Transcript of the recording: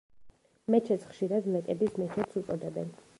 მეჩეთს ხშირად ლეკების მეჩეთს უწოდებენ.